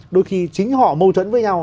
đôi khi chính họ mâu thuẫn với nhau